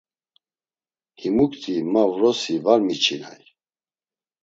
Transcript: Himukti ma vrosi var miçinay.